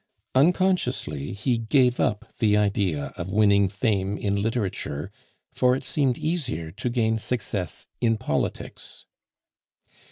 Unconsciously he gave up the idea of winning fame in literature, for it seemed easier to gain success in politics.